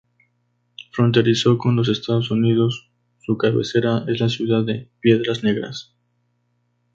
Fronterizo con los Estados Unidos, su cabecera es la ciudad de Piedras Negras.